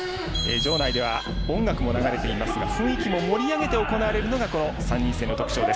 場内では、音楽も流れていますが雰囲気も盛り上げて行われているのが３人制の特徴。